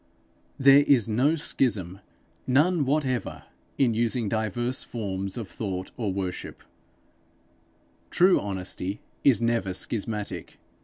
There is no schism, none whatever, in using diverse forms of thought or worship: true honesty is never schismatic.